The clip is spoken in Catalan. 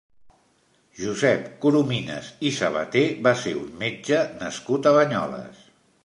Josep Corominas i Sabater va ser un metge nascut a Banyoles.